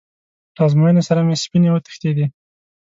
له ازموینې سره مې سپینې وتښتېدې.